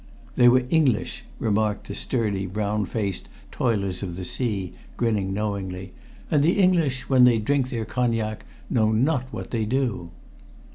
"They were English!" remarked the sturdy, brown faced toilers of the sea, grinning knowingly. "And the English, when they drink their cognac, know not what they do."